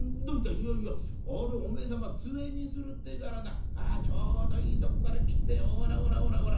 「いやいやあれおめえ様つえにするってえからなちょうどいいとこから切ってほらほらほらほらどうだい？